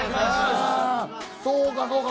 「そうかそうか」